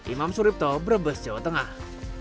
imam suripto brebes jawa tengah